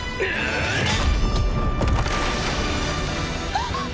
あっ！